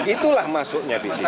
itulah masuknya di sini